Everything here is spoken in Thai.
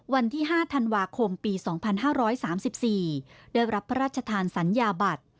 วันที่๕ธันวาคมปี๒๕๓๔ได้รับพระราชทานสัญญาบัตร